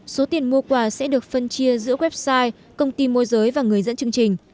số tiền mua quà sẽ được phân chia giữa website công ty môi giới và người dẫn chương trình